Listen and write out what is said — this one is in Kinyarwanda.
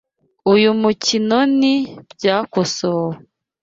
Uyu mukinoni Byakosowe.